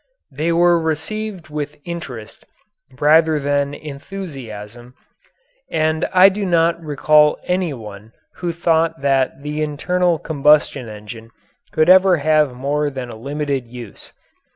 They were received with interest rather than enthusiasm and I do not recall any one who thought that the internal combustion engine could ever have more than a limited use.